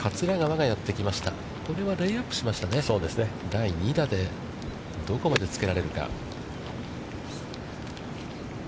第２打でどこまでつけられるか。